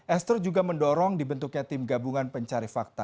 esther juga mendorong dibentuknya tim gabungan pencari fakta